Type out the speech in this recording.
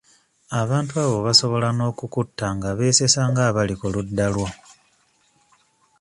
Abantu abo basobola n'okukutta nga beesesa nga abali ku ludda lwo.